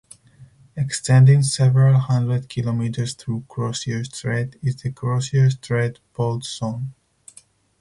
Extending several hundred kilometres through Crozier Strait is the Crozier Strait Fault Zone.